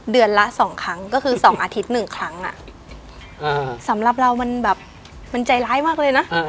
เดือนละสองครั้งก็คือ๒อาทิตย์หนึ่งครั้งอ่ะสำหรับเรามันแบบมันใจร้ายมากเลยนะ